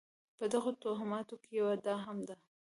په دغو توهماتو کې یوه دا هم ده.